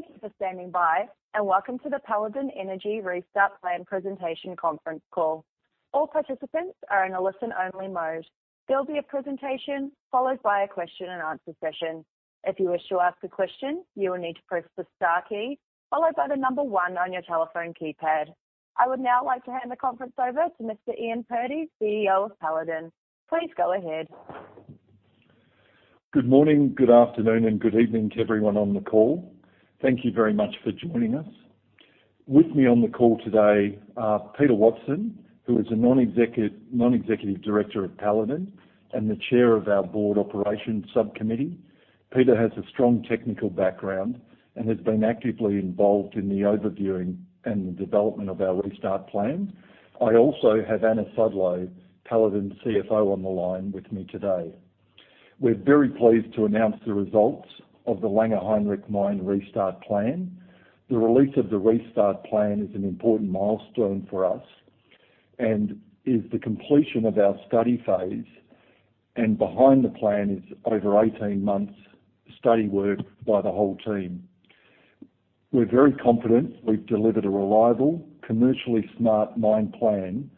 Thank you for standing by, and welcome to the Paladin Energy Restart Plan presentation conference call. All participants are in a listen-only mode. There'll be a presentation followed by a question-and-answer session. If you wish to ask a question, you will need to press the star key, followed by the number one on your telephone keypad. I would now like to hand the conference over to Mr. Ian Purdy, CEO of Paladin. Please go ahead. Good morning, good afternoon, and good evening to everyone on the call. Thank you very much for joining us. With me on the call today are Peter Watson, who is a non-executive director of Paladin and the chair of our Board Operations Subcommittee. Peter has a strong technical background and has been actively involved in the overviewing and the development of our restart plan. I also have Anna Sudlow, Paladin CFO, on the line with me today. We're very pleased to announce the results of the Langer Heinrich Mine Restart Plan. The release of the restart plan is an important milestone for us and is the completion of our study phase, and behind the plan is over 18 months' study work by the whole team. We're very confident we've delivered a reliable, commercially smart mine plan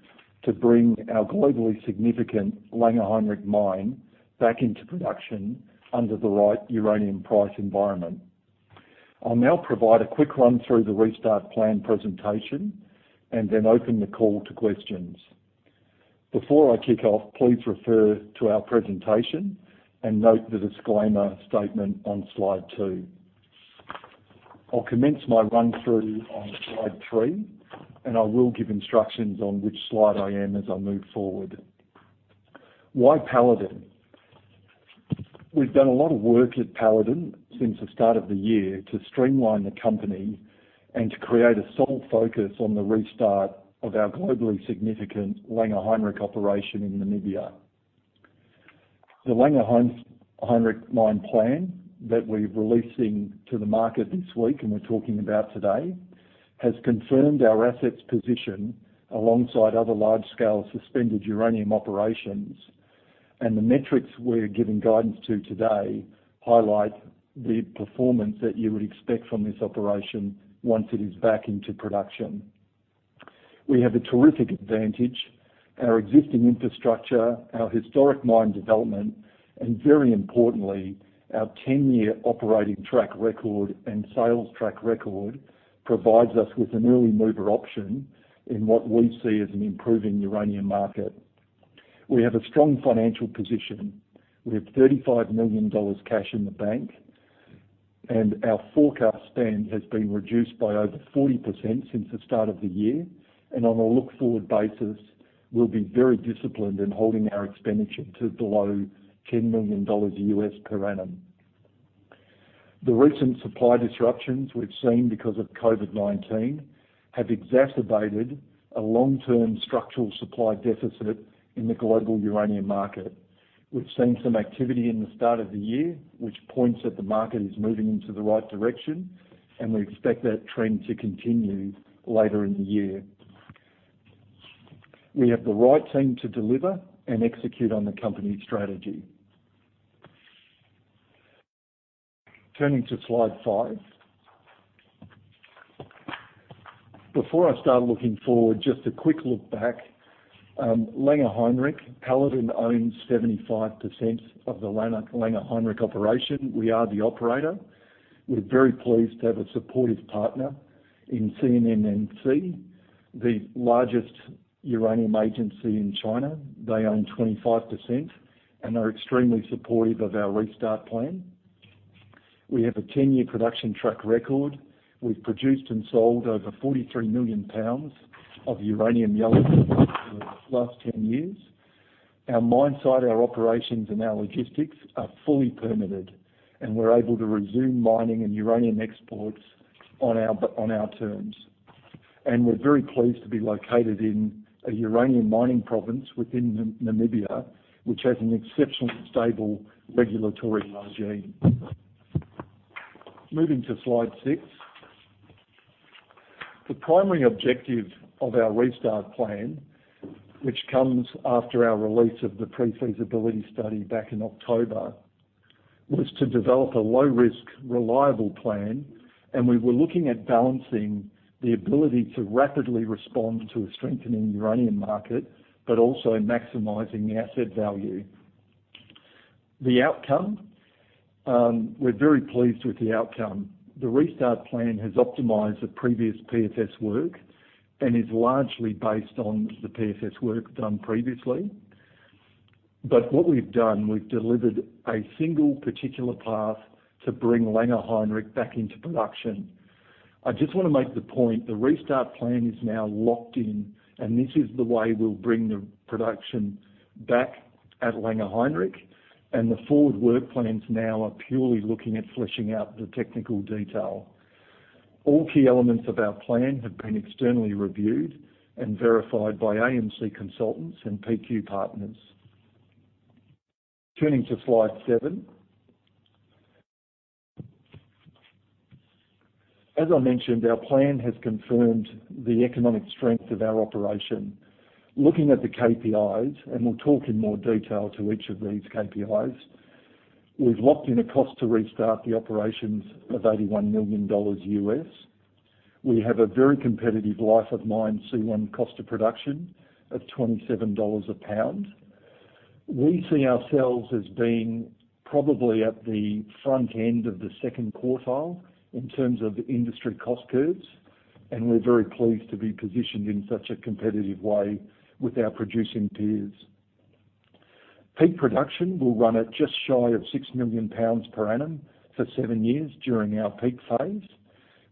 to bring our globally significant Langer Heinrich Mine back into production under the right uranium price environment. I'll now provide a quick run-through of the restart plan presentation and then open the call to questions. Before I kick off, please refer to our presentation and note the disclaimer statement on slide two. I'll commence my run-through on slide three, and I will give instructions on which slide I am as I move forward. Why Paladin? We've done a lot of work at Paladin since the start of the year to streamline the company and to create a sole focus on the restart of our globally significant Langer Heinrich operation in Namibia. The Langer Heinrich Mine plan that we're releasing to the market this week and we're talking about today has confirmed our assets' position alongside other large-scale suspended uranium operations, and the metrics we're giving guidance to today highlight the performance that you would expect from this operation once it is back into production. We have a terrific advantage. Our existing infrastructure, our historic mine development, and very importantly, our 10-year operating track record and sales track record provides us with an early-mover option in what we see as an improving uranium market. We have a strong financial position. We have $35 million cash in the bank, and our forecast spend has been reduced by over 40% since the start of the year, and on a look-forward basis, we'll be very disciplined in holding our expenditure to below $10 million USD per annum. The recent supply disruptions we've seen because of COVID-19 have exacerbated a long-term structural supply deficit in the global uranium market. We've seen some activity in the start of the year, which points that the market is moving into the right direction, and we expect that trend to continue later in the year. We have the right team to deliver and execute on the company's strategy. Turning to slide five. Before I start looking forward, just a quick look back. Langer Heinrich, Paladin owns 75% of the Langer Heinrich operation. We are the operator. We're very pleased to have a supportive partner in CNNC, the largest uranium agency in China. They own 25% and are extremely supportive of our restart plan. We have a 10-year production track record. We've produced and sold over $43 million of uranium yellowcake in the last 10 years. Our mine site, our operations, and our logistics are fully permitted, and we're able to resume mining and uranium exports on our terms, and we're very pleased to be located in a uranium mining province within Namibia, which has an exceptionally stable regulatory regime. Moving to slide six. The primary objective of our restart plan, which comes after our release of the pre-feasibility study back in October, was to develop a low-risk, reliable plan, and we were looking at balancing the ability to rapidly respond to a strengthening uranium market but also maximizing the asset value. The outcome? We're very pleased with the outcome. The restart plan has optimized the previous PFS work and is largely based on the PFS work done previously, but what we've done, we've delivered a single particular path to bring Langer Heinrich back into production. I just want to make the point the restart plan is now locked in, and this is the way we'll bring the production back at Langer Heinrich, and the forward work plans now are purely looking at fleshing out the technical detail. All key elements of our plan have been externally reviewed and verified by AMC Consultants and BQ Partners. Turning to slide seven. As I mentioned, our plan has confirmed the economic strength of our operation. Looking at the KPIs, and we'll talk in more detail to each of these KPIs, we've locked in a cost to restart the operations of $81 million. We have a very competitive life of mine C1 cost of production of $27 a pound. We see ourselves as being probably at the front end of the second quartile in terms of industry cost curves, and we're very pleased to be positioned in such a competitive way with our producing peers. Peak production will run at just shy of 6 million pounds per annum for seven years during our peak phase.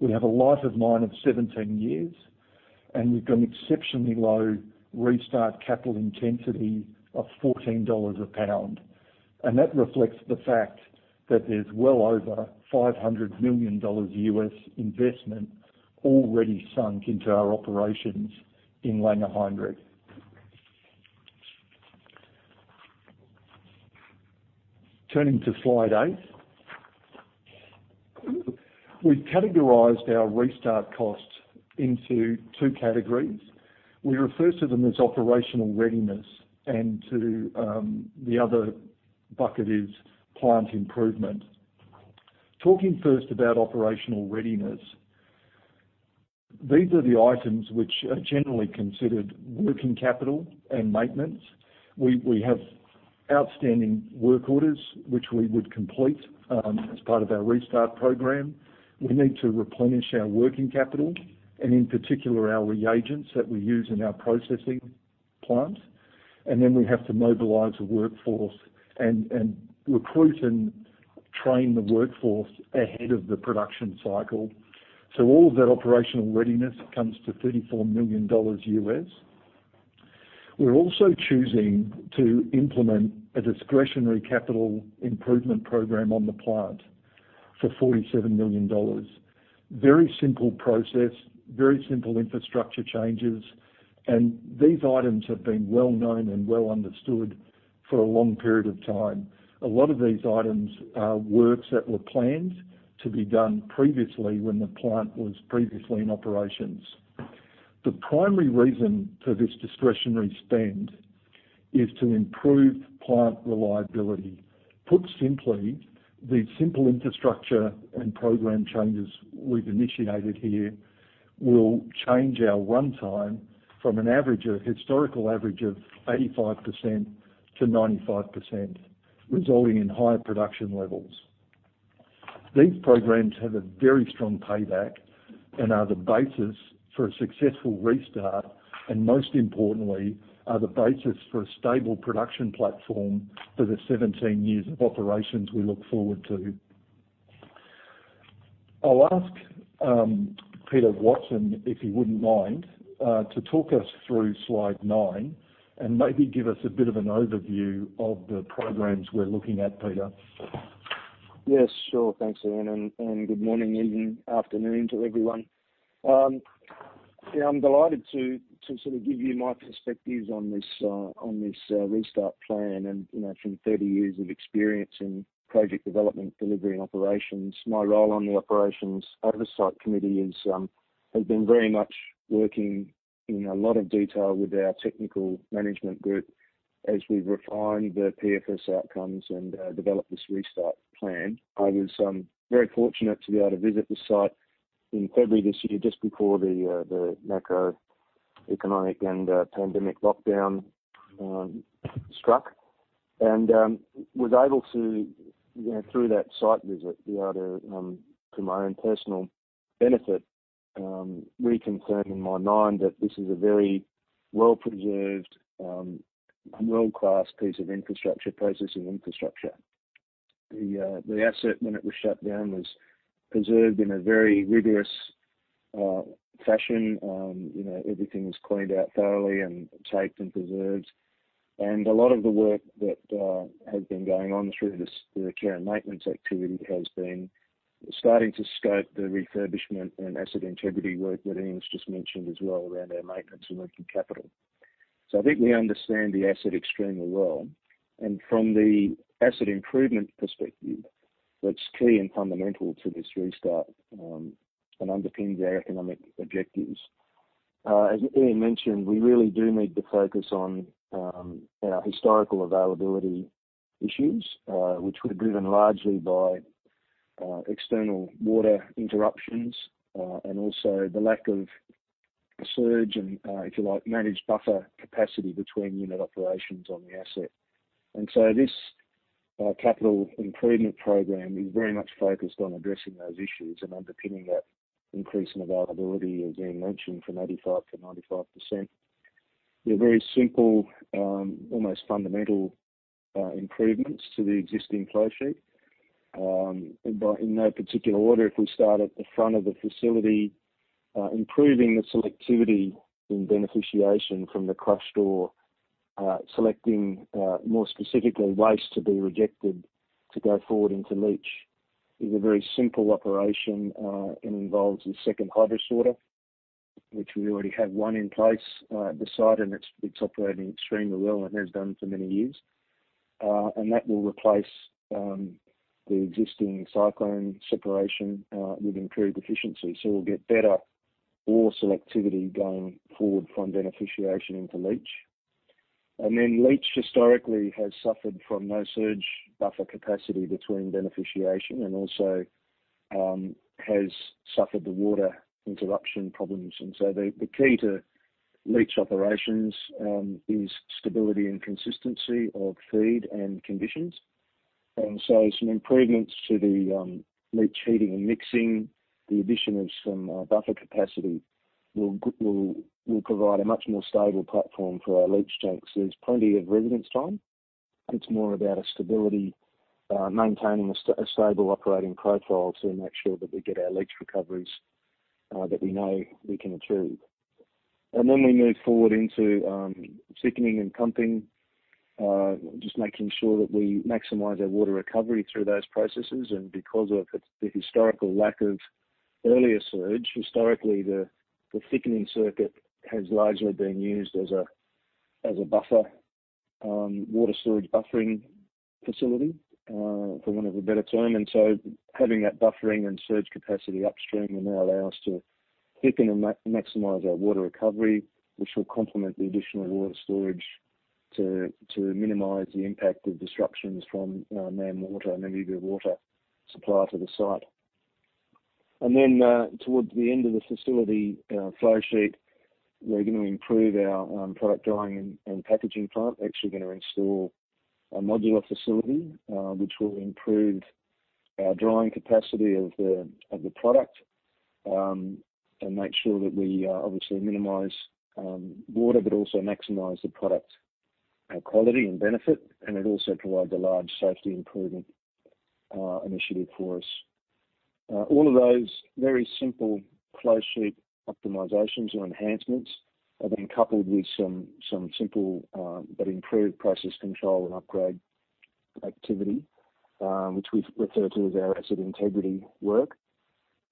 We have a life-of-mine of 17 years, and we've got an exceptionally low restart capital intensity of $14 a pound, and that reflects the fact that there's well over $500 million USD investment already sunk into our operations in Langer Heinrich. Turning to slide eight. We've categorized our restart costs into two categories. We refer to them as operational readiness, and the other bucket is plant improvement. Talking first about operational readiness, these are the items which are generally considered working capital and maintenance. We have outstanding work orders, which we would complete as part of our restart program. We need to replenish our working capital and, in particular, our reagents that we use in our processing plant. And then we have to mobilize a workforce and recruit and train the workforce ahead of the production cycle. So all of that operational readiness comes to $34 million. We're also choosing to implement a discretionary capital improvement program on the plant for $47 million. Very simple process, very simple infrastructure changes. And these items have been well known and well understood for a long period of time. A lot of these items are works that were planned to be done previously when the plant was previously in operations. The primary reason for this discretionary spend is to improve plant reliability. Put simply, these simple infrastructure and program changes we've initiated here will change our runtime from an historical average of 85% to 95%, resulting in higher production levels. These programs have a very strong payback and are the basis for a successful restart and, most importantly, are the basis for a stable production platform for the 17 years of operations we look forward to. I'll ask Peter Watson, if he wouldn't mind, to talk us through slide nine and maybe give us a bit of an overview of the programs we're looking at, Peter. Yes, sure. Thanks, Ian. And good morning, evening, afternoon to everyone. I'm delighted to sort of give you my perspectives on this restart plan. And from 30 years of experience in project development, delivery, and operations, my role on the operations oversight committee has been very much working in a lot of detail with our technical management group as we refine the PFS outcomes and develop this restart plan. I was very fortunate to be able to visit the site in February this year just before the macroeconomic and pandemic lockdown struck and was able to, through that site visit, be able to, to my own personal benefit, reconfirm in my mind that this is a very well-preserved, world-class piece of infrastructure, processing infrastructure. The asset, when it was shut down, was preserved in a very rigorous fashion. Everything was cleaned out thoroughly and taped and preserved. A lot of the work that has been going on through the care and maintenance activity has been starting to scope the refurbishment and asset integrity work that Ian's just mentioned as well around our maintenance and working capital. So I think we understand the asset extremely well. And from the asset improvement perspective, that's key and fundamental to this restart and underpins our economic objectives. As Ian mentioned, we really do need to focus on our historical availability issues, which were driven largely by external water interruptions and also the lack of surge and, if you like, managed buffer capacity between unit operations on the asset. And so this capital improvement program is very much focused on addressing those issues and underpinning that increase in availability, as Ian mentioned, from 85%-95%. They're very simple, almost fundamental improvements to the existing flow sheet. In no particular order, if we start at the front of the facility, improving the selectivity in beneficiation from the crushed ore, selecting more specifically waste to be rejected to go forward into leach is a very simple operation and involves a second hydrosorter, which we already have one in place at the site, and it's operating extremely well and has done for many years. And that will replace the existing cyclone separation with improved efficiency. So we'll get better ore selectivity going forward from beneficiation into leach. And then leach historically has suffered from no surge buffer capacity between beneficiation and also has suffered the water interruption problems. And so the key to leach operations is stability and consistency of feed and conditions. And so some improvements to the leach heating and mixing, the addition of some buffer capacity will provide a much more stable platform for our leach tanks. There's plenty of residence time. It's more about a stability, maintaining a stable operating profile to make sure that we get our leach recoveries that we know we can achieve. And then we move forward into thickening and pumping, just making sure that we maximize our water recovery through those processes. And because of the historical lack of upstream surge, historically, the thickening circuit has largely been used as a buffer, water storage buffering facility, for want of a better term. And so having that buffering and surge capacity upstream will now allow us to thicken and maximize our water recovery, which will complement the additional water storage to minimize the impact of disruptions from NamWater and Namibian water supply to the site. And then towards the end of the facility flow sheet, we're going to improve our product drying and packaging plant. We're actually going to install a modular facility, which will improve our drying capacity of the product and make sure that we obviously minimize water but also maximize the product quality and benefit. And it also provides a large safety improvement initiative for us. All of those very simple flow sheet optimizations or enhancements have been coupled with some simple but improved process control and upgrade activity, which we refer to as our asset integrity work.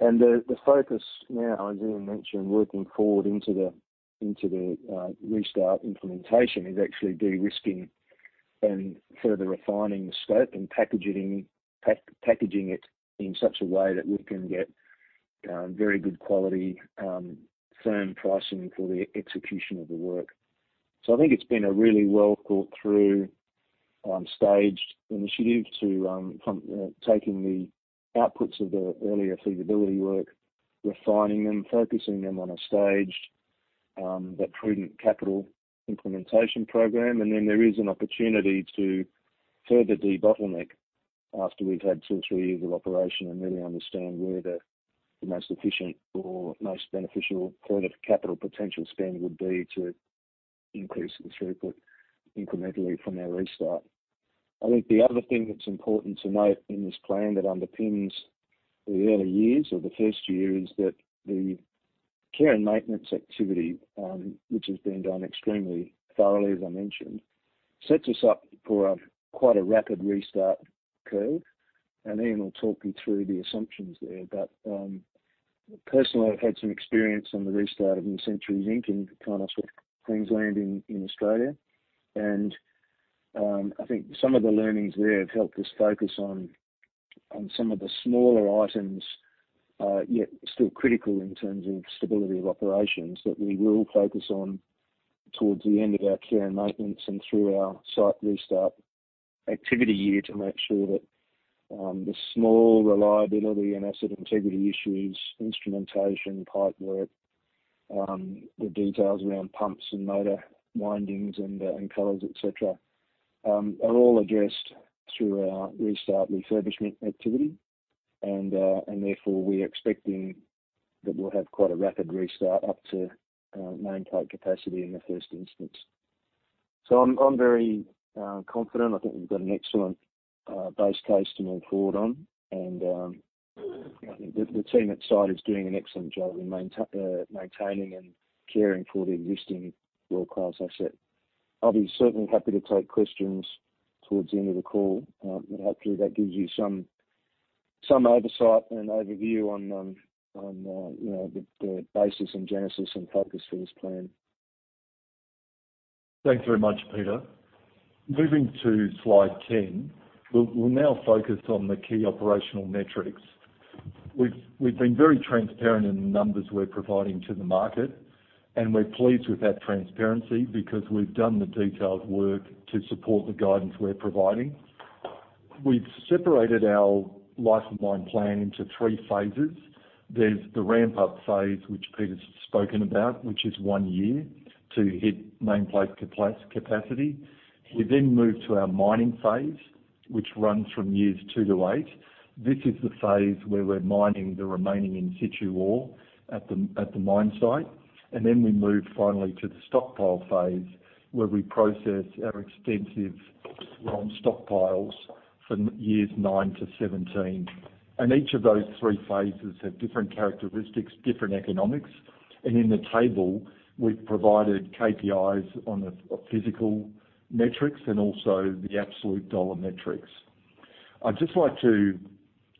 And the focus now, as Ian mentioned, working forward into the restart implementation is actually de-risking and further refining the scope and packaging it in such a way that we can get very good quality, firm pricing for the execution of the work. I think it's been a really well thought-through staged initiative to take the outputs of the earlier feasibility work, refining them, focusing them on a staged but prudent capital implementation program. And then there is an opportunity to further de-bottleneck after we've had two or three years of operation and really understand where the most efficient or most beneficial further capital potential spend would be to increase the throughput incrementally from our restart. I think the other thing that's important to note in this plan that underpins the early years or the first year is that the care and maintenance activity, which has been done extremely thoroughly, as I mentioned, sets us up for quite a rapid restart curve. And Ian will talk you through the assumptions there. But personally, I've had some experience on the restart of New Century Zinc in northwest Queensland, in Australia. I think some of the learnings there have helped us focus on some of the smaller items yet still critical in terms of stability of operations that we will focus on towards the end of our care and maintenance and through our site restart activity year to make sure that the small reliability and asset integrity issues, instrumentation, pipework, the details around pumps and motor windings and coils, etc., are all addressed through our restart refurbishment activity. Therefore, we are expecting that we'll have quite a rapid restart up to nameplate capacity in the first instance. I'm very confident. I think we've got an excellent base case to move forward on. The team at site is doing an excellent job in maintaining and caring for the existing world-class asset. I'll be certainly happy to take questions towards the end of the call. Hopefully, that gives you some oversight and overview on the basis and genesis and focus for this plan. Thanks very much, Peter. Moving to slide 10, we'll now focus on the key operational metrics. We've been very transparent in the numbers we're providing to the market, and we're pleased with that transparency because we've done the detailed work to support the guidance we're providing. We've separated our life-of-mine plan into three phases. There's the ramp-up phase, which Peter's spoken about, which is one year to hit nameplate capacity. We then move to our mining phase, which runs from years two to eight. This is the phase where we're mining the remaining in-situ ore at the mine site. And then we move finally to the stockpile phase where we process our extensive raw stockpiles from years nine to 17. And each of those three phases have different characteristics, different economics. And in the table, we've provided KPIs on the physical metrics and also the absolute dollar metrics. I'd just like to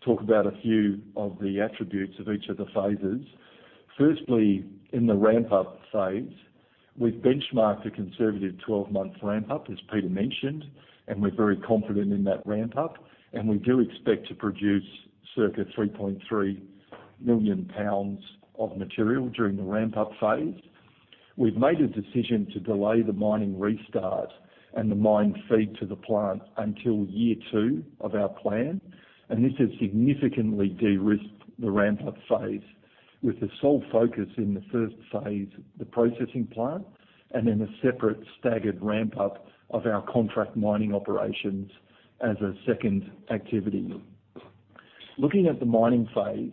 talk about a few of the attributes of each of the phases. Firstly, in the ramp-up phase, we've benchmarked a conservative 12-month ramp-up, as Peter mentioned, and we're very confident in that ramp-up. And we do expect to produce circa 3.3 million pounds of material during the ramp-up phase. We've made a decision to delay the mining restart and the mine feed to the plant until year two of our plan. And this has significantly de-risked the ramp-up phase with the sole focus in the first phase, the processing plant, and then a separate staggered ramp-up of our contract mining operations as a second activity. Looking at the mining phase,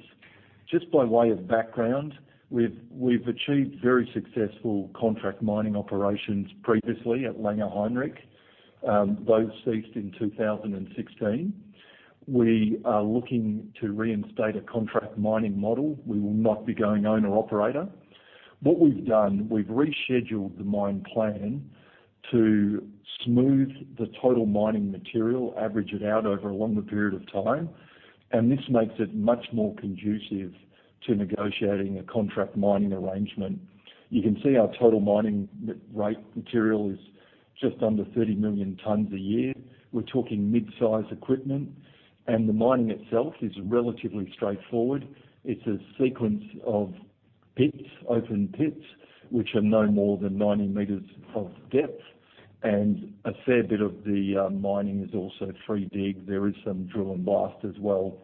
just by way of background, we've achieved very successful contract mining operations previously at Langer Heinrich. Those ceased in 2016. We are looking to reinstate a contract mining model. We will not be going owner-operator. What we've done, we've rescheduled the mine plan to smooth the total mining material, average it out over a longer period of time, and this makes it much more conducive to negotiating a contract mining arrangement. You can see our total mining rate material is just under 30 million tons a year. We're talking mid-size equipment, and the mining itself is relatively straightforward. It's a sequence of pits, open pits, which are no more than 90 meters of depth, and a fair bit of the mining is also free dig. There is some drill and blast as well,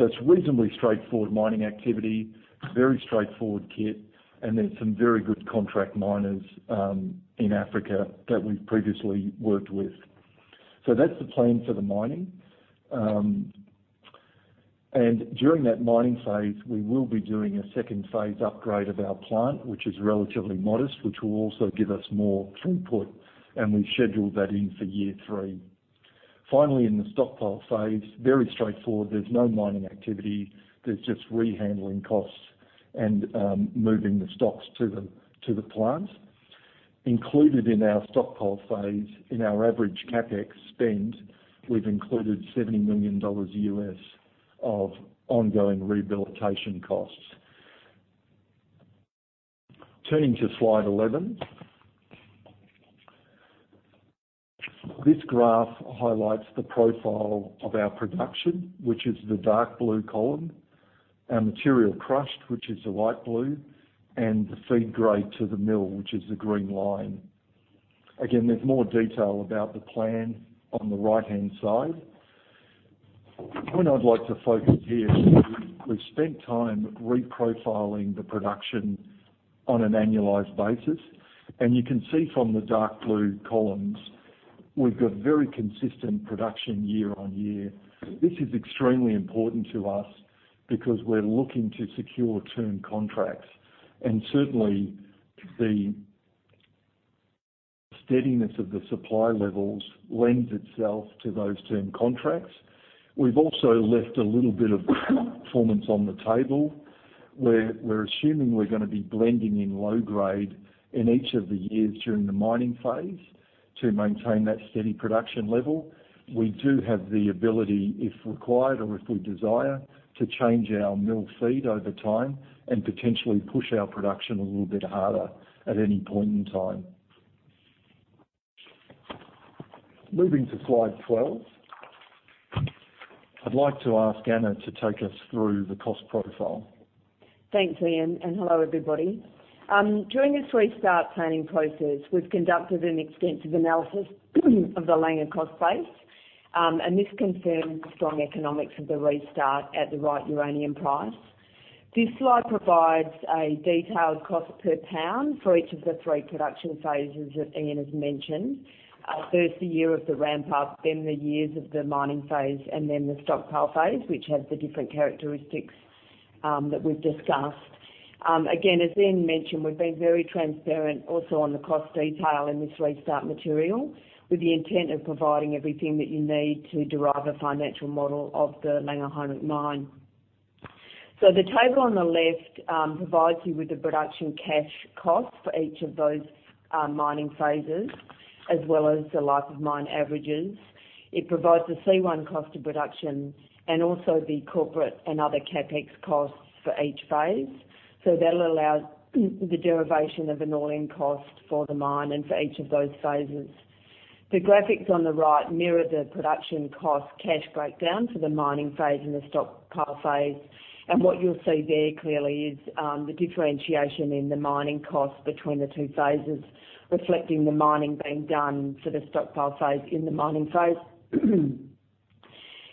so it's reasonably straightforward mining activity, very straightforward kit, and there's some very good contract miners in Africa that we've previously worked with, so that's the plan for the mining. And during that mining phase, we will be doing a second phase upgrade of our plant, which is relatively modest, which will also give us more throughput. And we've scheduled that in for year three. Finally, in the stockpile phase, very straightforward. There's no mining activity. There's just rehandling costs and moving the stocks to the plant. Included in our stockpile phase, in our average CapEx spend, we've included $70 million of ongoing rehabilitation costs. Turning to slide 11, this graph highlights the profile of our production, which is the dark blue column, our material crushed, which is the light blue, and the feed grade to the mill, which is the green line. Again, there's more detail about the plan on the right-hand side. What I'd like to focus here is we've spent time reprofiling the production on an annualized basis. And you can see from the dark blue columns, we've got very consistent production year on year. This is extremely important to us because we're looking to secure term contracts. And certainly, the steadiness of the supply levels lends itself to those term contracts. We've also left a little bit of performance on the table where we're assuming we're going to be blending in low-grade in each of the years during the mining phase to maintain that steady production level. We do have the ability, if required or if we desire, to change our mill feed over time and potentially push our production a little bit harder at any point in time. Moving to slide 12, I'd like to ask Anna to take us through the cost profile. Thanks, Ian. Hello, everybody. During this restart planning process, we've conducted an extensive analysis of the Langer Heinrich cost base. This confirms the strong economics of the restart at the right uranium price. This slide provides a detailed cost per pound for each of the three production phases that Ian has mentioned. First, the year of the ramp-up, then the years of the mining phase, and then the stockpile phase, which has the different characteristics that we've discussed. Again, as Ian mentioned, we've been very transparent also on the cost detail in this restart material with the intent of providing everything that you need to derive a financial model of the Langer Heinrich Mine. The table on the left provides you with the production cash cost for each of those mining phases, as well as the life-of-mine averages. It provides a C1 cost of production and also the corporate and other CapEx costs for each phase, so that'll allow the derivation of an all-in cost for the mine and for each of those phases. The graphics on the right mirror the production cost cash breakdown for the mining phase and the stockpile phase, and what you'll see there clearly is the differentiation in the mining cost between the two phases, reflecting the mining being done for the stockpile phase in the mining phase.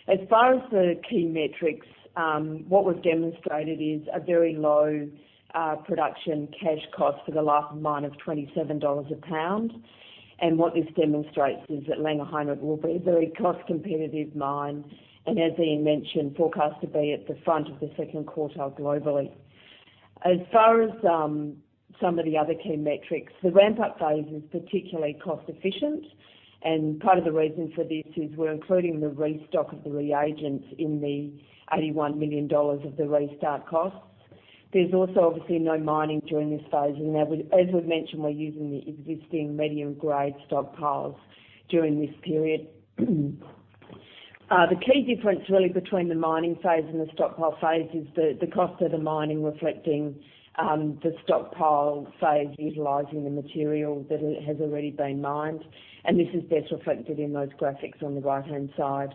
As far as the key metrics, what we've demonstrated is a very low production cash cost for the life-of-mine of $27 a pound, and what this demonstrates is that Langer Heinrich will be a very cost-competitive mine, and as Ian mentioned, forecast to be at the front of the second quartile globally. As far as some of the other key metrics, the ramp-up phase is particularly cost-efficient, and part of the reason for this is we're including the restock of the reagents in the $81 million of the restart costs. There's also, obviously, no mining during this phase, and as we've mentioned, we're using the existing medium-grade stockpiles during this period. The key difference really between the mining phase and the stockpile phase is the cost of the mining reflecting the stockpile phase utilizing the material that has already been mined, and this is best reflected in those graphics on the right-hand side.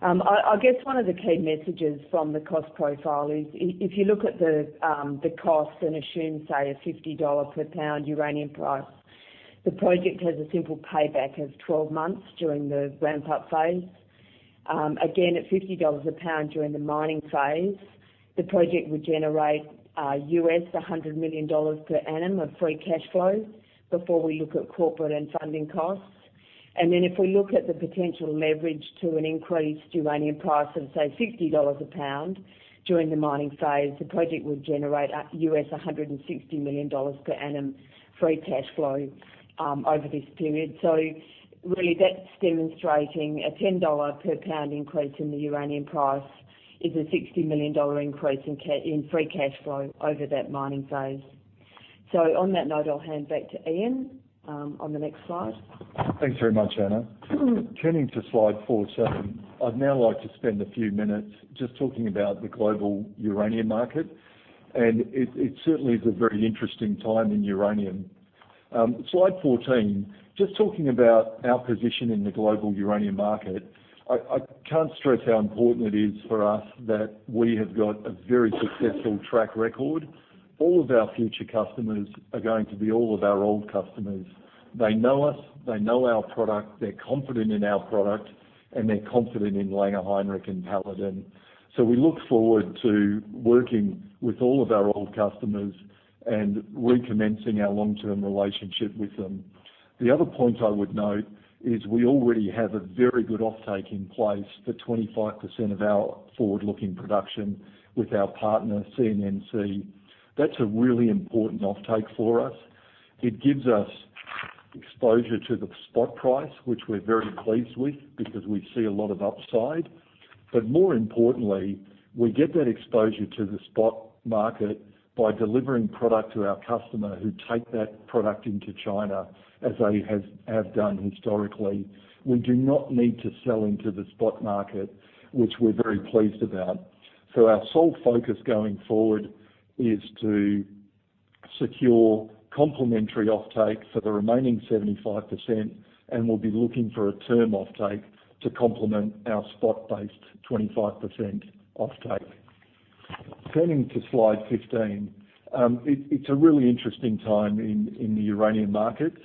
I guess one of the key messages from the cost profile is if you look at the cost and assume, say, a $50 per pound uranium price, the project has a simple payback of 12 months during the ramp-up phase. Again, at $50 a pound during the mining phase, the project would generate $100 million per annum of free cash flow before we look at corporate and funding costs. And then if we look at the potential leverage to an increased uranium price of, say, $50 a pound during the mining phase, the project would generate $160 million per annum free cash flow over this period. So really, that's demonstrating a $10 per pound increase in the uranium price is a $60 million increase in free cash flow over that mining phase. So on that note, I'll hand back to Ian on the next slide. Thanks very much, Anna. Turning to slide 14, I'd now like to spend a few minutes just talking about the global uranium market. And it certainly is a very interesting time in uranium. Slide 14, just talking about our position in the global uranium market, I can't stress how important it is for us that we have got a very successful track record. All of our future customers are going to be all of our old customers. They know us. They know our product. They're confident in our product. And they're confident in Langer Heinrich and Paladin. So we look forward to working with all of our old customers and recommencing our long-term relationship with them. The other point I would note is we already have a very good offtake in place for 25% of our forward-looking production with our partner, CNNC. That's a really important offtake for us. It gives us exposure to the spot price, which we're very pleased with because we see a lot of upside. But more importantly, we get that exposure to the spot market by delivering product to our customer who take that product into China as they have done historically. We do not need to sell into the spot market, which we're very pleased about. So our sole focus going forward is to secure complementary offtake for the remaining 75%. And we'll be looking for a term offtake to complement our spot-based 25% offtake. Turning to slide 15, it's a really interesting time in the uranium markets.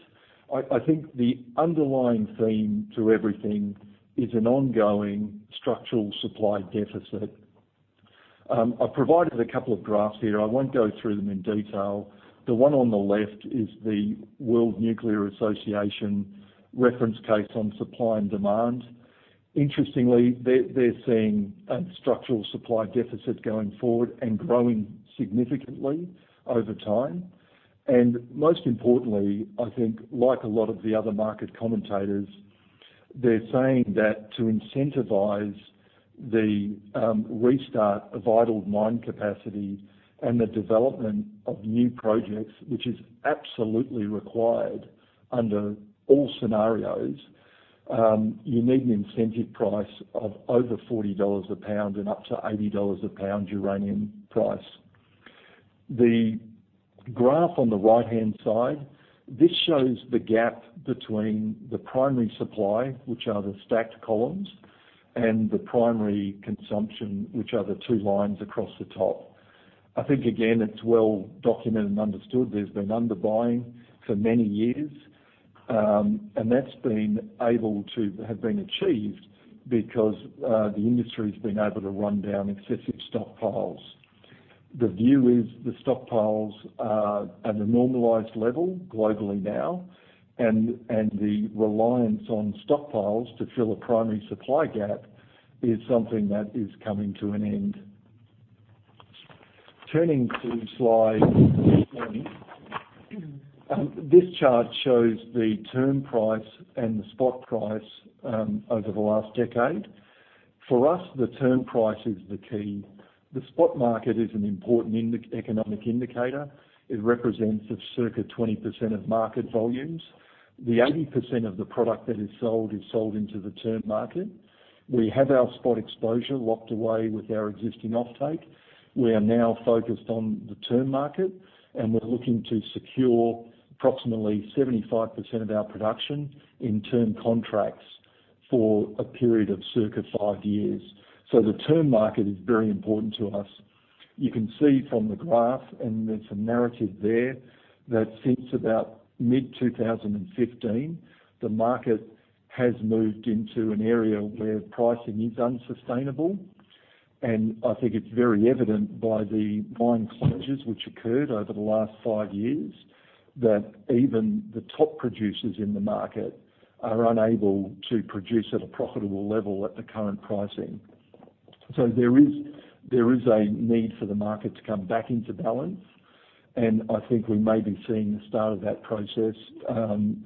I think the underlying theme to everything is an ongoing structural supply deficit. I've provided a couple of graphs here. I won't go through them in detail. The one on the left is the World Nuclear Association reference case on supply and demand. Interestingly, they're seeing a structural supply deficit going forward and growing significantly over time, and most importantly, I think, like a lot of the other market commentators, they're saying that to incentivize the restart of idle mine capacity and the development of new projects, which is absolutely required under all scenarios, you need an incentive price of over $40 a pound and up to $80 a pound uranium price. The graph on the right-hand side, this shows the gap between the primary supply, which are the stacked columns, and the primary consumption, which are the two lines across the top. I think, again, it's well documented and understood. There's been underbuying for many years, and that's been able to have been achieved because the industry has been able to run down excessive stockpiles. The view is the stockpiles are at a normalized level globally now. And the reliance on stockpiles to fill a primary supply gap is something that is coming to an end. Turning to slide 20, this chart shows the term price and the spot price over the last decade. For us, the term price is the key. The spot market is an important economic indicator. It represents circa 20% of market volumes. The 80% of the product that is sold is sold into the term market. We have our spot exposure locked away with our existing offtake. We are now focused on the term market. And we're looking to secure approximately 75% of our production in term contracts for a period of circa five years. So the term market is very important to us. You can see from the graph, and there's some narrative there, that since about mid-2015, the market has moved into an area where pricing is unsustainable. And I think it's very evident by the mine closures which occurred over the last five years that even the top producers in the market are unable to produce at a profitable level at the current pricing. So there is a need for the market to come back into balance. And I think we may be seeing the start of that process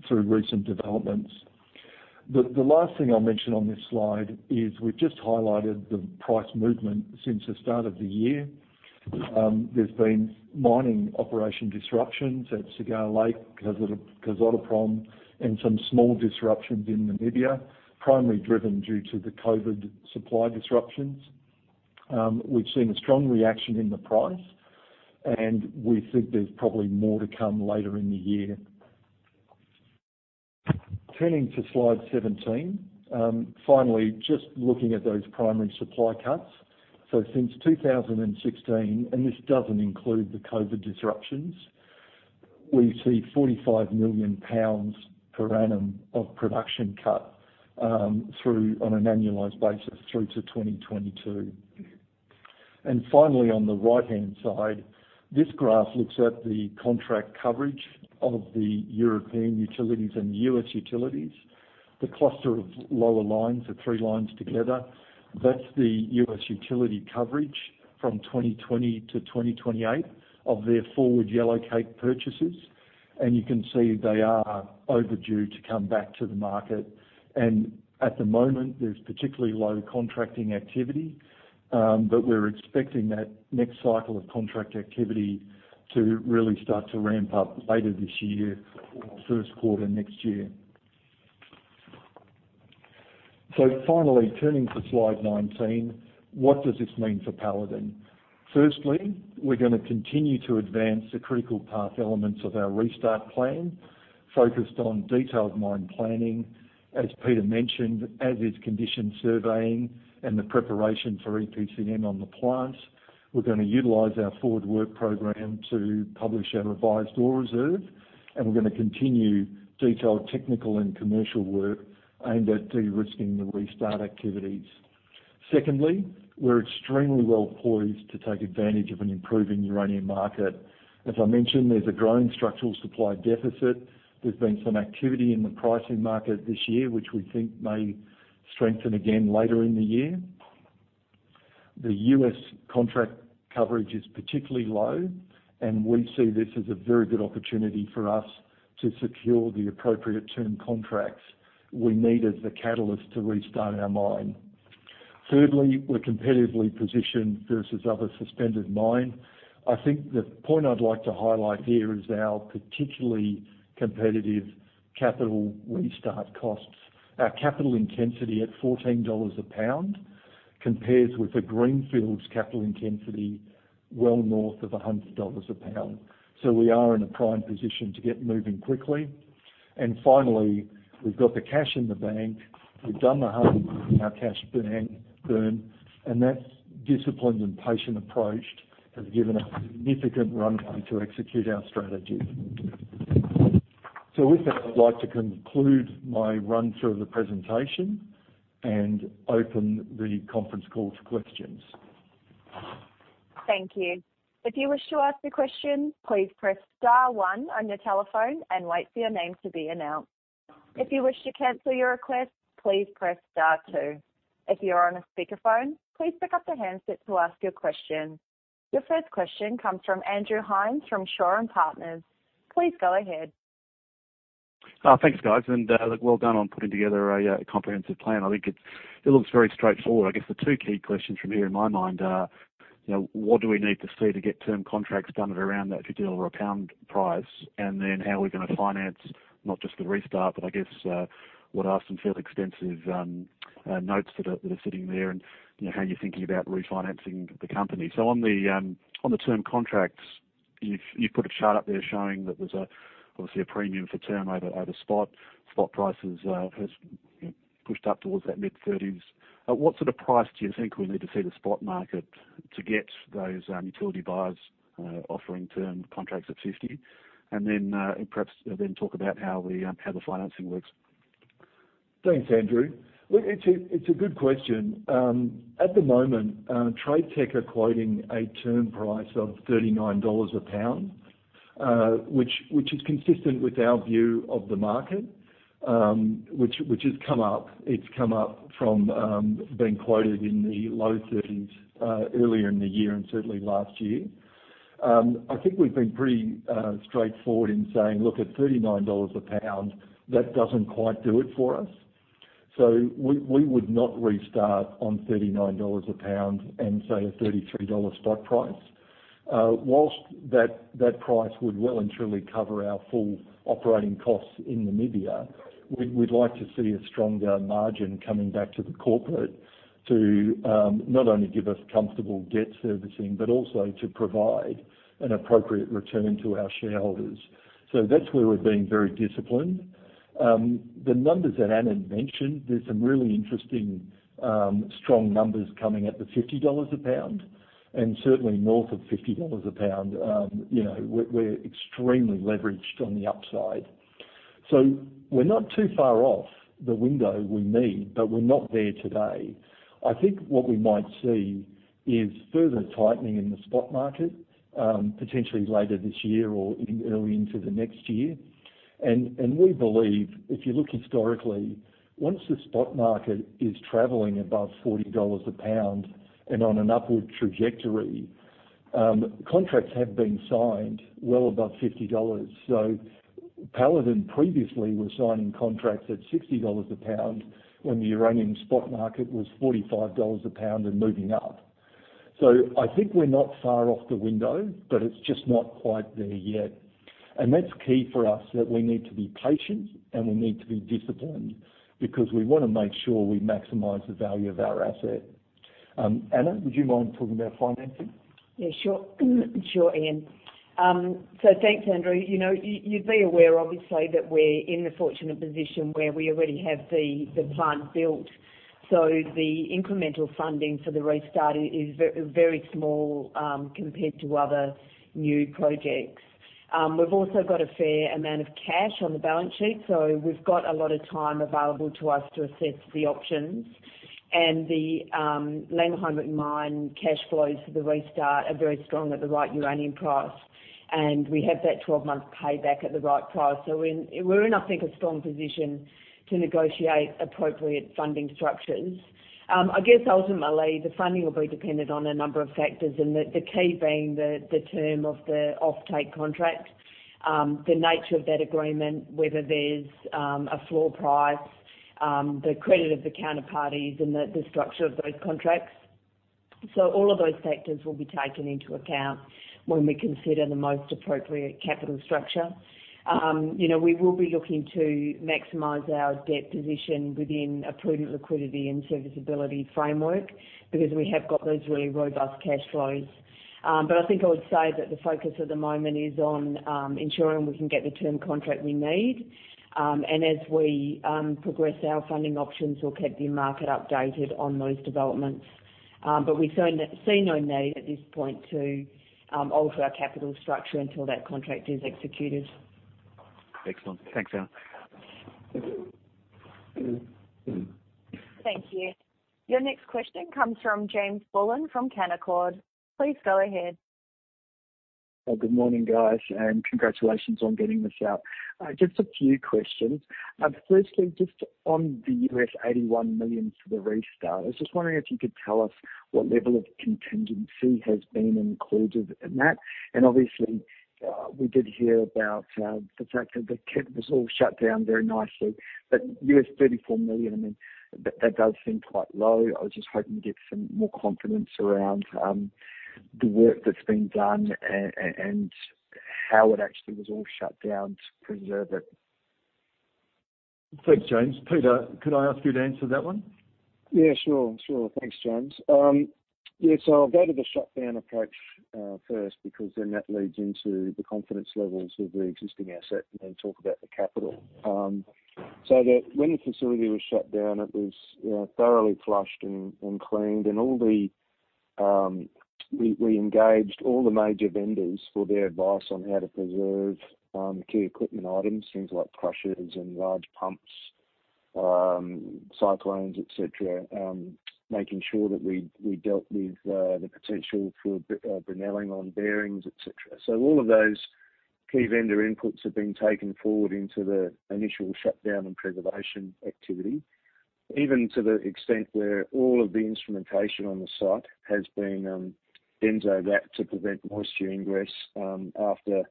through recent developments. The last thing I'll mention on this slide is we've just highlighted the price movement since the start of the year. There's been mining operation disruptions at Cigar Lake, Kazatomprom, and some small disruptions in Namibia, primarily driven due to the COVID supply disruptions. We've seen a strong reaction in the price. And we think there's probably more to come later in the year. Turning to slide 17, finally, just looking at those primary supply cuts. Since 2016, and this doesn't include the COVID disruptions, we see $45 million per annum of production cut on an annualized basis through to 2022. And finally, on the right-hand side, this graph looks at the contract coverage of the European utilities and the U.S. utilities. The cluster of lower lines, the three lines together, that's the U.S. utility coverage from 2020 to 2028 of their forward yellowcake purchases. And you can see they are overdue to come back to the market. And at the moment, there's particularly low contracting activity. But we're expecting that next cycle of contract activity to really start to ramp up later this year or first quarter next year. Finally, turning to slide 19, what does this mean for Paladin? Firstly, we're going to continue to advance the critical path elements of our restart plan focused on detailed mine planning, as Peter mentioned, as-is condition surveying and the preparation for EPCM on the plants. We're going to utilize our forward work program to publish our revised ore reserve, and we're going to continue detailed technical and commercial work aimed at de-risking the restart activities. Secondly, we're extremely well poised to take advantage of an improving uranium market. As I mentioned, there's a growing structural supply deficit. There's been some activity in the pricing market this year, which we think may strengthen again later in the year. The U.S. contract coverage is particularly low, and we see this as a very good opportunity for us to secure the appropriate term contracts we need as the catalyst to restart our mine. Thirdly, we're competitively positioned versus other suspended mine. I think the point I'd like to highlight here is our particularly competitive capital restart costs. Our capital intensity at $14 a pound compares with the greenfield's capital intensity well north of $100 a pound. So we are in a prime position to get moving quickly. And finally, we've got the cash in the bank. We've done the math on our cash burn. And that disciplined and patient approach has given us a significant runway to execute our strategy. So with that, I'd like to conclude my run-through of the presentation and open the conference call to questions. Thank you. If you wish to ask a question, please press star one on your telephone and wait for your name to be announced. If you wish to cancel your request, please press star two. If you're on a speakerphone, please pick up the handset to ask your question. Your first question comes from Andrew Hines from Shaw and Partners. Please go ahead. Thanks, guys. And look, well done on putting together a comprehensive plan. I think it looks very straightforward. I guess the two key questions from here in my mind are, what do we need to see to get term contracts done at around that $50 a pound price? And then how are we going to finance not just the restart, but I guess what are some fairly expensive notes that are sitting there and how you're thinking about refinancing the company? So on the term contracts, you've put a chart up there showing that there's obviously a premium for term over spot. Spot prices have pushed up towards that mid-30s. At what sort of price do you think we need to see the spot market to get those utility buyers offering term contracts at 50? And then perhaps then talk about how the financing works. Thanks, Andrew. Look, it's a good question. At the moment, TradeTech are quoting a term price of $39 a pound, which is consistent with our view of the market, which has come up. It's come up from being quoted in the low 30s earlier in the year and certainly last year. I think we've been pretty straightforward in saying, look, at $39 a pound, that doesn't quite do it for us. So we would not restart on $39 a pound and say a $33 spot price. Whilst that price would well and truly cover our full operating costs in Namibia, we'd like to see a stronger margin coming back to the corporate to not only give us comfortable debt servicing, but also to provide an appropriate return to our shareholders. So that's where we're being very disciplined. The numbers that Anna mentioned, there's some really interesting strong numbers coming at the $50 a pound. And certainly north of $50 a pound, we're extremely leveraged on the upside. So we're not too far off the window we need, but we're not there today. I think what we might see is further tightening in the spot market, potentially later this year or early into the next year. And we believe, if you look historically, once the spot market is traveling above $40 a pound and on an upward trajectory, contracts have been signed well above $50. So Paladin previously were signing contracts at $60 a pound when the uranium spot market was $45 a pound and moving up. So I think we're not far off the window, but it's just not quite there yet. That's key for us that we need to be patient and we need to be disciplined because we want to make sure we maximize the value of our asset. Anna, would you mind talking about financing? Yeah, sure. Sure, Ian. So thanks, Andrew. You'd be aware, obviously, that we're in the fortunate position where we already have the plant built. So the incremental funding for the restart is very small compared to other new projects. We've also got a fair amount of cash on the balance sheet. So we've got a lot of time available to us to assess the options. And the Langer Heinrich Mine cash flows for the restart are very strong at the right uranium price. And we have that 12-month payback at the right price. So we're in, I think, a strong position to negotiate appropriate funding structures. I guess ultimately, the funding will be dependent on a number of factors, and the key being the term of the offtake contract, the nature of that agreement, whether there's a floor price, the credit of the counterparties, and the structure of those contracts. So all of those factors will be taken into account when we consider the most appropriate capital structure. We will be looking to maximize our debt position within a prudent liquidity and serviceability framework because we have got those really robust cash flows. But I think I would say that the focus at the moment is on ensuring we can get the term contract we need. And as we progress our funding options, we'll keep the market updated on those developments. But we see no need at this point to alter our capital structure until that contract is executed. Excellent. Thanks, Ann. Thank you. Your next question comes from James Bullen from Canaccord. Please go ahead. Good morning, guys, and congratulations on getting this out. Just a few questions. Firstly, just on the $81 million for the restart, I was just wondering if you could tell us what level of contingency has been included in that. And obviously, we did hear about the fact that the kit was all shut down very nicely, but $34 million, I mean, that does seem quite low. I was just hoping to get some more confidence around the work that's been done and how it actually was all shut down to preserve it. Thanks, James. Peter, could I ask you to answer that one? Yeah, sure. Sure. Thanks, James. Yeah, so I'll go to the shutdown approach first because then that leads into the confidence levels of the existing asset and then talk about the capital. So when the facility was shut down, it was thoroughly flushed and cleaned. And we engaged all the major vendors for their advice on how to preserve key equipment items, things like crushers and large pumps, cyclones, etc., making sure that we dealt with the potential for brinelling on bearings, etc. So all of those key vendor inputs have been taken forward into the initial shutdown and preservation activity, even to the extent where all of the instrumentation on the site has been benzobathed to prevent moisture ingress after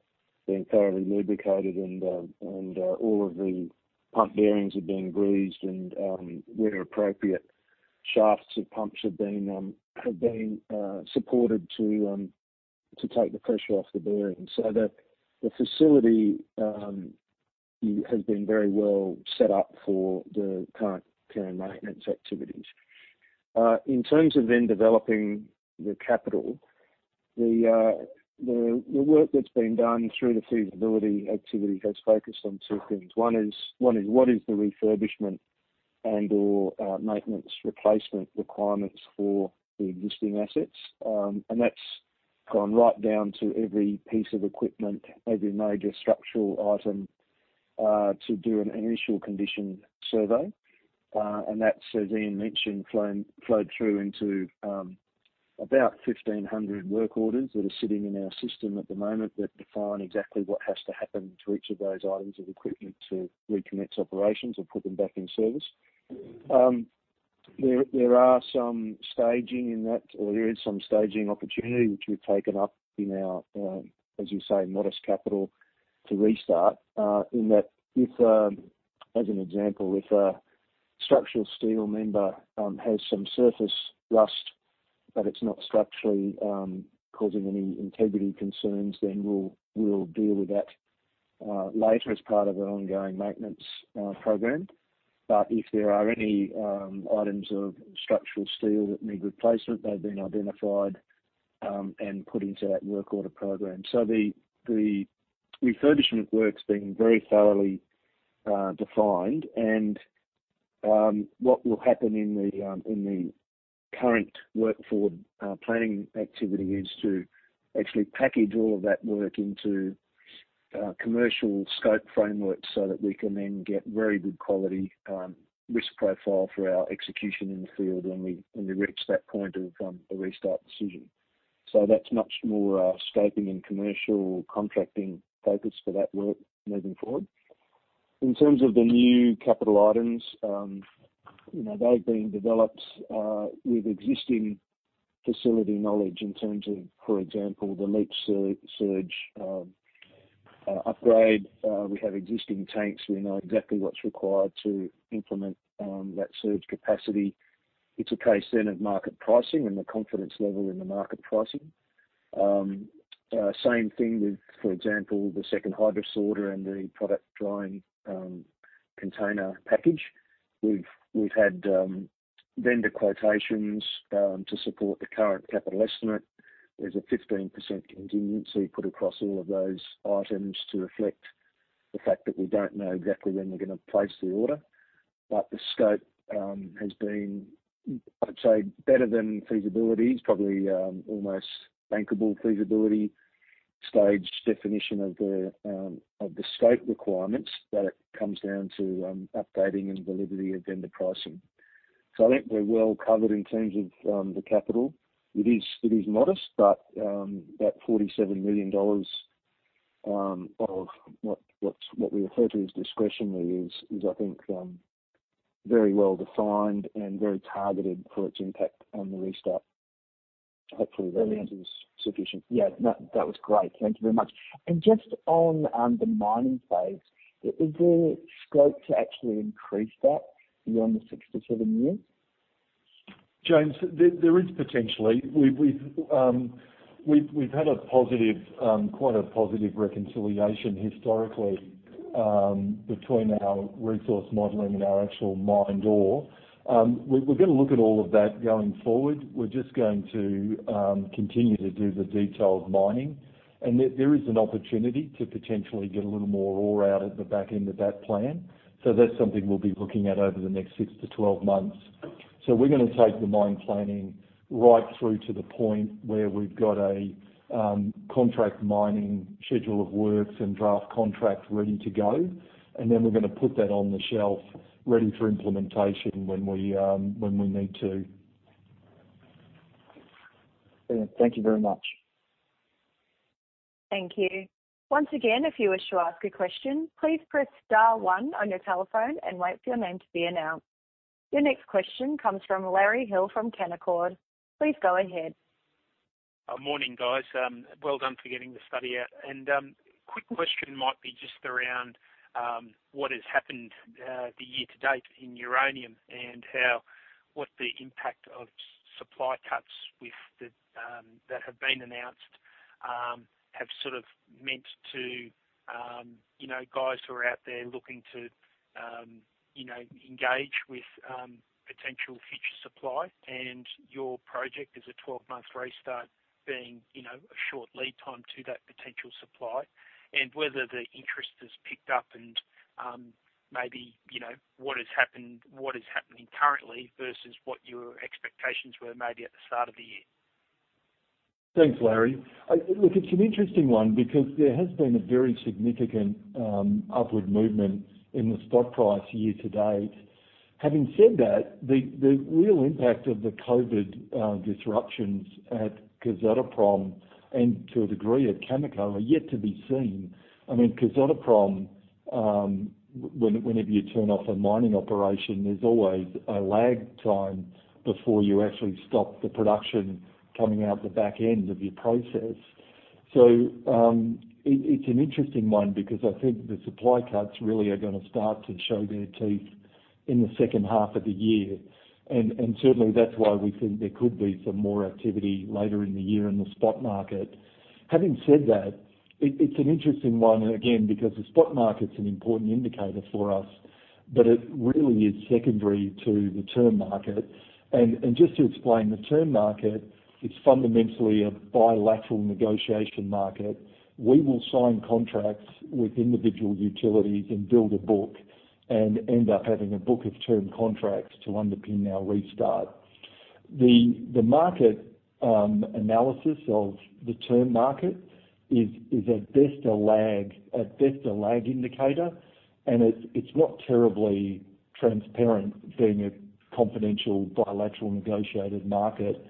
being thoroughly lubricated and all of the pump bearings have been turned and where appropriate, shafts of pumps have been supported to take the pressure off the bearings. The facility has been very well set up for the current maintenance activities. In terms of then developing the capital, the work that's been done through the feasibility activity has focused on two things. One is what is the refurbishment and/or maintenance replacement requirements for the existing assets? That's gone right down to every piece of equipment, every major structural item to do an initial condition survey. That, as Ian mentioned, flowed through into about 1,500 work orders that are sitting in our system at the moment that define exactly what has to happen to each of those items of equipment to reconnect operations or put them back in service. There are some staging in that, or there is some staging opportunity which we've taken up in our, as you say, modest capital to restart in that, as an example, if a structural steel member has some surface rust, but it's not structurally causing any integrity concerns, then we'll deal with that later as part of an ongoing maintenance program but if there are any items of structural steel that need replacement, they've been identified and put into that work order program so the refurbishment work's been very thoroughly defined and what will happen in the current workforce planning activity is to actually package all of that work into commercial scope frameworks so that we can then get very good quality risk profile for our execution in the field when we reach that point of a restart decision. So that's much more scoping and commercial contracting focus for that work moving forward. In terms of the new capital items, they've been developed with existing facility knowledge in terms of, for example, the leach surge upgrade. We have existing tanks. We know exactly what's required to implement that surge capacity. It's a case then of market pricing and the confidence level in the market pricing. Same thing with, for example, the second hydrosorter and the product drying container package. We've had vendor quotations to support the current capital estimate. There's a 15% contingency put across all of those items to reflect the fact that we don't know exactly when we're going to place the order. But the scope has been, I'd say, better than feasibility. It's probably almost bankable feasibility stage definition of the scope requirements, but it comes down to updating and validity of vendor pricing. So I think we're well covered in terms of the capital. It is modest, but that $47 million of what we refer to as discretionary is, I think, very well defined and very targeted for its impact on the restart. Hopefully, that answer is sufficient. Brilliant. Yeah, that was great. Thank you very much. And just on the mining phase, is there scope to actually increase that beyond the six to seven years? James, there is potentially. We've had quite a positive reconciliation historically between our resource modeling and our actual mined ore. We're going to look at all of that going forward. We're just going to continue to do the detailed mining. And there is an opportunity to potentially get a little more ore out at the back end of that plan. So that's something we'll be looking at over the next 6-12 months. So we're going to take the mine planning right through to the point where we've got a contract mining schedule of works and draft contract ready to go. And then we're going to put that on the shelf ready for implementation when we need to. Brilliant. Thank you very much. Thank you. Once again, if you wish to ask a question, please press star one on your telephone and wait for your name to be announced. Your next question comes from Larry Hill from Canaccord. Please go ahead. Morning, guys. Well done for getting the study out. A quick question might be just around what has happened year to date in uranium and what the impact of supply cuts that have been announced have sort of meant to guys who are out there looking to engage with potential future supply and your project as a 12-month restart being a short lead time to that potential supply and whether the interest has picked up and maybe what has happened currently versus what your expectations were maybe at the start of the year? Thanks, Larry. Look, it's an interesting one because there has been a very significant upward movement in the spot price year to date. Having said that, the real impact of the COVID disruptions at Kazatomprom and to a degree at Cameco are yet to be seen. I mean, Kazatomprom, whenever you turn off a mining operation, there's always a lag time before you actually stop the production coming out the back end of your process. So it's an interesting one because I think the supply cuts really are going to start to show their teeth in the second half of the year. And certainly, that's why we think there could be some more activity later in the year in the spot market. Having said that, it's an interesting one, again, because the spot market's an important indicator for us, but it really is secondary to the term market. Just to explain, the term market is fundamentally a bilateral negotiation market. We will sign contracts with individual utilities and build a book and end up having a book of term contracts to underpin our restart. The market analysis of the term market is at best a lag indicator, and it's not terribly transparent being a confidential bilateral negotiated market.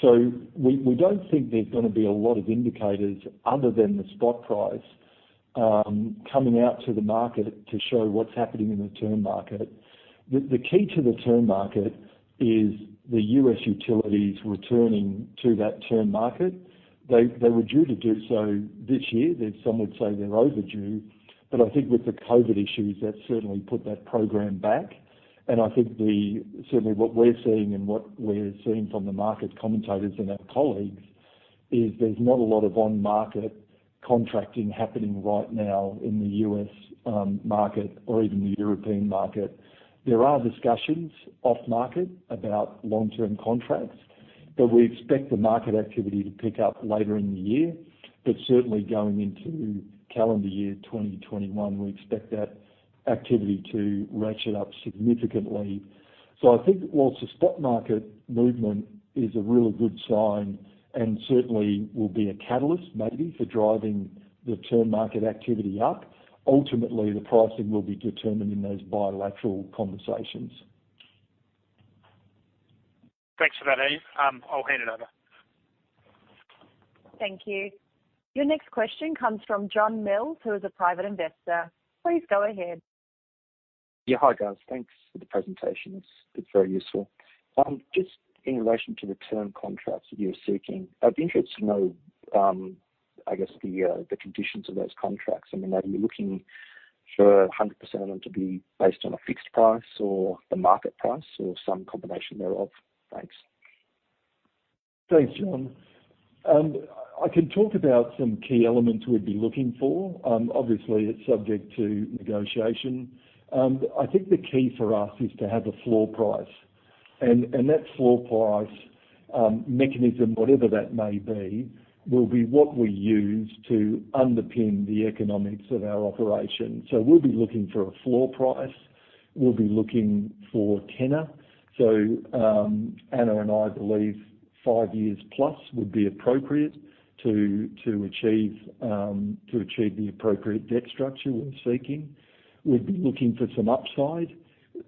So we don't think there's going to be a lot of indicators other than the spot price coming out to the market to show what's happening in the term market. The key to the term market is the U.S. utilities returning to that term market. They were due to do so this year. Some would say they're overdue. I think with the COVID issues, that certainly put that program back. I think certainly what we're seeing and what we're seeing from the market commentators and our colleagues is there's not a lot of on-market contracting happening right now in the U.S. market or even the European market. There are discussions off-market about long-term contracts, but we expect the market activity to pick up later in the year. But certainly, going into calendar year 2021, we expect that activity to ratchet up significantly. So I think, well, it's a spot market movement is a really good sign and certainly will be a catalyst maybe for driving the term market activity up. Ultimately, the pricing will be determined in those bilateral conversations. Thanks for that, Ian. I'll hand it over. Thank you. Your next question comes from John Mills, who is a private investor. Please go ahead. Yeah. Hi, guys. Thanks for the presentation. It's very useful. Just in relation to the term contracts that you're seeking, I'd be interested to know, I guess, the conditions of those contracts. I mean, are you looking for 100% of them to be based on a fixed price or the market price or some combination thereof? Thanks. Thanks, John. I can talk about some key elements we'd be looking for. Obviously, it's subject to negotiation. I think the key for us is to have a floor price, and that floor price mechanism, whatever that may be, will be what we use to underpin the economics of our operation. So we'll be looking for a floor price. We'll be looking for tenor, so Anna and I believe five years plus would be appropriate to achieve the appropriate debt structure we're seeking. We'd be looking for some upside.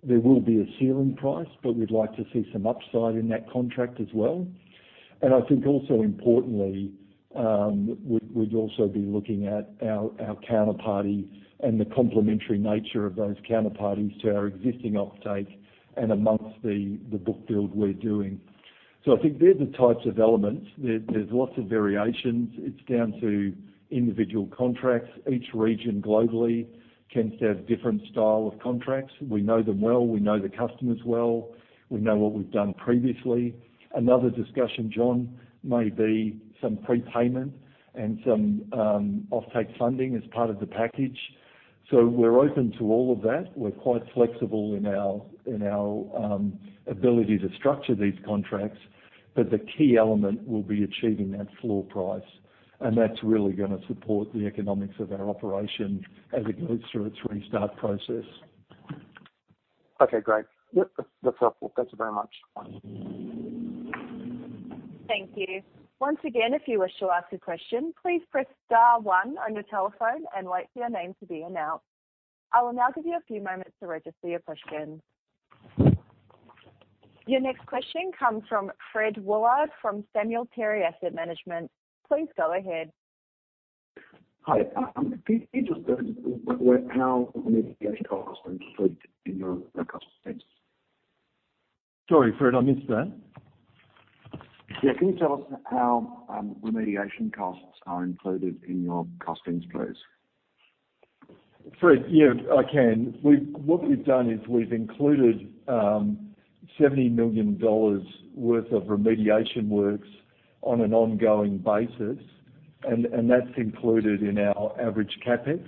There will be a ceiling price, but we'd like to see some upside in that contract as well, and I think also importantly, we'd also be looking at our counterparty and the complementary nature of those counterparties to our existing offtake and amongst the book build we're doing, so I think they're the types of elements. There's lots of variations. It's down to individual contracts. Each region globally tends to have a different style of contracts. We know them well. We know the customers well. We know what we've done previously. Another discussion, John, may be some prepayment and some offtake funding as part of the package. So we're open to all of that. We're quite flexible in our ability to structure these contracts. But the key element will be achieving that floor price. And that's really going to support the economics of our operation as it goes through its restart process. Okay, great. Yep, that's helpful. Thank you very much. Thank you. Once again, if you wish to ask a question, please press star one on your telephone and wait for your name to be announced. I will now give you a few moments to register your question. Your next question comes from Fred Woollard from Samuel Terry Asset Management. Please go ahead. Hi. Can you just tell us how remediation costs are included in your costs? Sorry, Fred, I missed that. Yeah. Can you tell us how remediation costs are included in your costings, please? Fred, yeah, I can. What we've done is we've included $70 million worth of remediation works on an ongoing basis, and that's included in our average CapEx,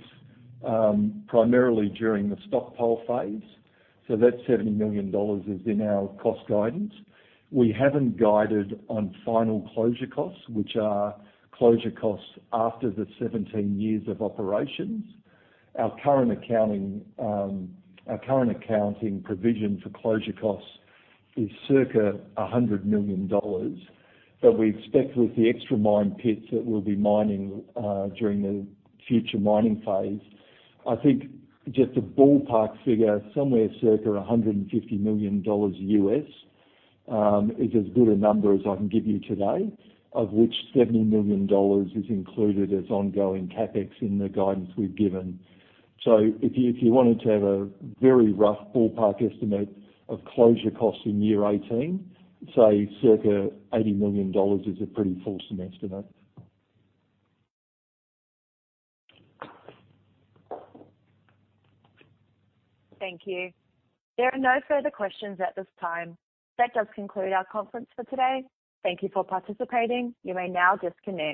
primarily during the stockpile phase. So that $70 million is in our cost guidance. We haven't guided on final closure costs, which are closure costs after the 17 years of operations. Our current accounting provision for closure costs is circa $100 million. We expect with the extra mine pits that we'll be mining during the future mining phase, I think just a ballpark figure, somewhere circa $150 million USD is as good a number as I can give you today, of which $70 million is included as ongoing CapEx in the guidance we've given. So if you wanted to have a very rough ballpark estimate of closure costs in year 18, say circa $80 million is a pretty fulsome estimate. Thank you. There are no further questions at this time. That does conclude our conference for today. Thank you for participating. You may now disconnect.